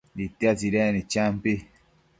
itia tsidecnid champi